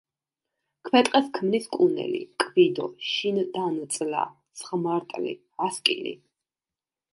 ქვეტყეს ქმნის კუნელი, კვიდო, შინდანწლა, ზღმარტლი, ასკილი.